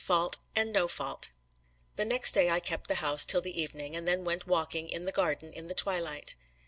FAULT AND NO FAULT. The next day I kept the house till the evening, and then went walking in the garden in the twilight.